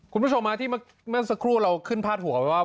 คุณผู้ชมที่เมื่อสักครู่เราขึ้นพาดหัวไว้ว่า